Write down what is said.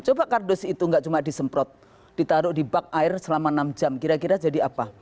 coba kardus itu nggak cuma disemprot ditaruh di bak air selama enam jam kira kira jadi apa